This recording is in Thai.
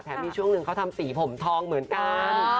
มีช่วงหนึ่งเขาทำสีผมทองเหมือนกัน